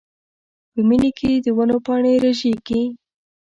په مني کې د ونو پاڼې رژېږي.